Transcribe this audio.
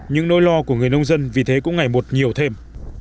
những nỗi lo của người nông dân vì thế cũng ngày một nhiều thêm